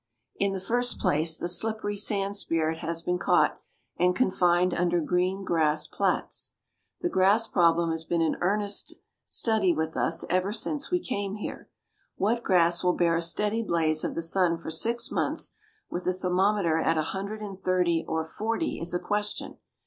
In the first place, the slippery sand spirit has been caught, and confined under green grass plats. The grass problem has been an earnest study with us ever since we came here. What grass will bear a steady blaze of the sun for six months, with the thermometer at a hundred and thirty or forty, is a question.